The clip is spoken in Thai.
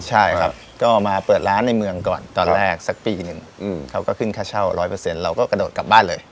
ใช่ครับก็มาเปิดร้านในเมืองก่อนตอนแรกสักปีหนึ่งเขาก็ขึ้นค่าเช่า๑๐๐เราก็กระโดดกลับบ้านเลย